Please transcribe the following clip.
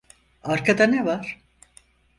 Arkada ne var?